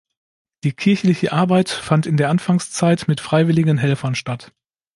Die kirchliche Arbeit fand in der Anfangszeit mit freiwilligen Helfern statt.